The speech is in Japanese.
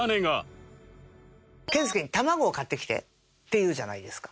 健介に「卵を買ってきて」って言うじゃないですか。